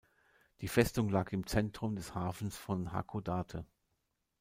Die Festung lag im Zentrum des Hafens von Hakodate.